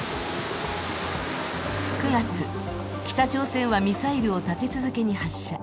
９月、北朝鮮はミサイルを立て続けに発射。